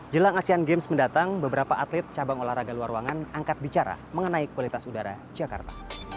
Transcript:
jelang asean games mendatang beberapa atlet cabang olahraga luar ruangan angkat bicara mengenai kualitas udara jakarta